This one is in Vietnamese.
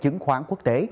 chứng khoán quốc tế